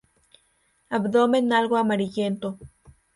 Abdomen algo amarillento.